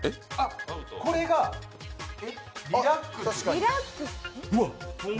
これがリラックス？